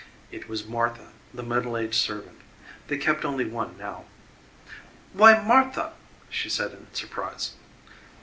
It was Martha, the middle aged servant: they kept only one now. "Why, Martha!" she said in surprise.